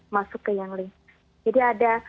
masuk ke yangling jadi ada